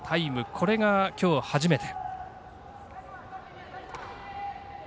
これがきょう初めて。